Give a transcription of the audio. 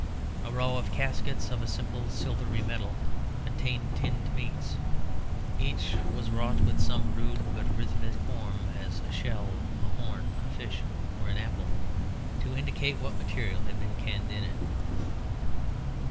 A row of caskets of a simple silvery metal contained tinned meats. Each was wrought with some rude but rhythmic form, as a shell, a horn, a fish, or an apple, to indicate what material had been canned in it.